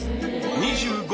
２５